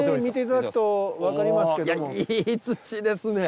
いやいい土ですね。